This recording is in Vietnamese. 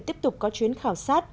tiếp tục có chuyến khảo sát